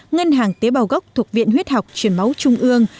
ngân hàng tế bào gốc thuộc viện huyết học truyền máu trung ương